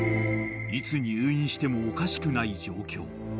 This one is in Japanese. ［いつ入院してもおかしくない状況］